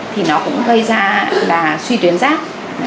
thì nó cũng gây ra là suy tuyến giáp